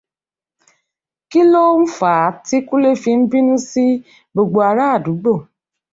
Kí ló ń fàá tí Kúnlé fi ń bínú sí gbogbo ará àdúgbò?